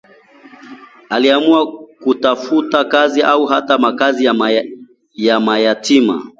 Aliamua kutafuta kazi au hata makaazi ya mayatima